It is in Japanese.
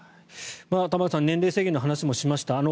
玉川さん年齢制限の話もしました。